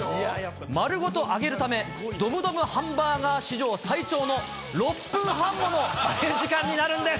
丸ごと揚げるため、ドムドムハンバーガー史上最長の６分半もの揚げ時間になるんです。